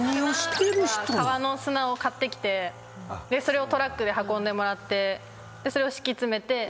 川の砂を買ってきてそれをトラックで運んでもらってそれを敷き詰めて。